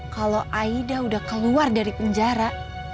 kalau aida udah keluar dari penjara